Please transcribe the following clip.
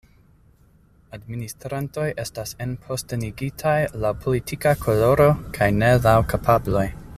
Administrantoj estas enpostenigitaj laŭ politika koloro, kaj ne laŭ kapabloj.